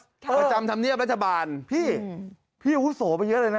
ประจำธรรมเนียบรัฐบาลพี่พี่อาวุโสไปเยอะเลยนะ